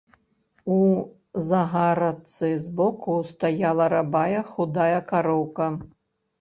У загарадцы збоку стаяла рабая худая кароўка.